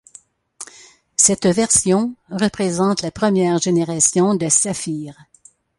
Cette version représente la première génération de Safir.